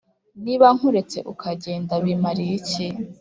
niba nkuretse ukagenda bimariye iki